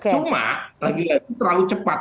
cuma lagi lagi terlalu cepat